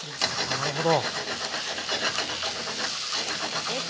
なるほど。